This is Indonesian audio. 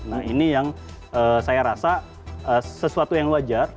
nah ini yang saya rasa sesuatu yang wajar